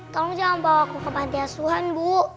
tolong jangan bawa aku ke pantai asuhan bu